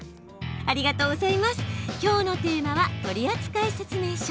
きょうのテーマは取扱説明書。